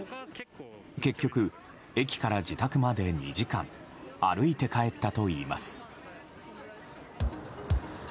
結局、駅から自宅まで２時間歩いて帰ったといいます。